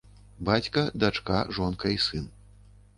Бацька, дачка, жонка і сын.